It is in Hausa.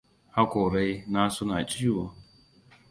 Hakorai na suna ciwo.